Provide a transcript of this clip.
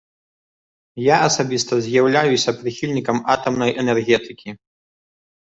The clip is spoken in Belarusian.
Я асабіста з'яўляюся прыхільнікам атамнай энергетыкі.